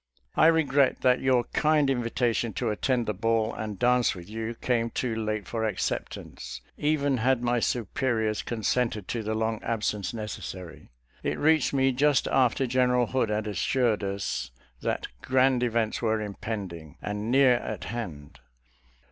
I regret that your kind invitation to attend the ball and dance with you came too late for acceptance, even had my superiors con sented to the long absence necessary. It reached me just after General Hood had assured us that grand events were impending and near at hand.